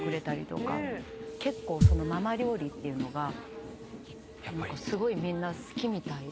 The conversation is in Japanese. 結構ママ料理っていうのがすごいみんな好きみたいで。